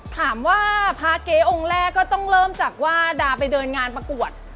ถามว่าพระเก๊องค์แรกก็ต้องเริ่มจากว่าดาไปเดินงานประกวด